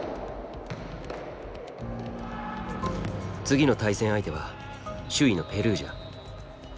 次の対戦相手は首位のペルージャ。